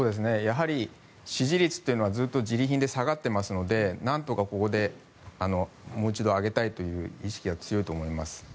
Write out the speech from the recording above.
支持率というのは、ずっとジリ貧で下がっていますのでなんとかここでもう一度上げたいという意識が強いと思います。